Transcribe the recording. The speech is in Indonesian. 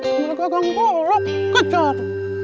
ngambil gagang golok kejar